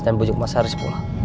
dan bujuk mas haris pulang